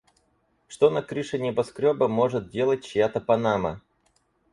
Что на крыше небоскрёба может делать чья-то панама?